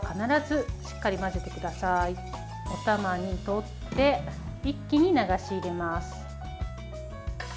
お玉にとって一気に流し入れます。